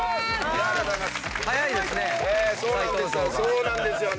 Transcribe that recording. そうなんですよ。